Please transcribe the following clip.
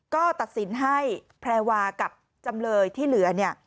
ก็ตัดสินให้แพรวากับจำเลยที่เหลือเนี่ย